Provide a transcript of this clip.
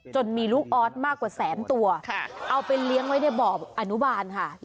มีลูกออสมากกว่าแสนตัวเอาไปเลี้ยงไว้ในบ่ออนุบาลค่ะ